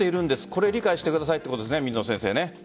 これ理解してくださいということですね、水野先生。